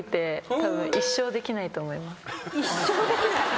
一生できない？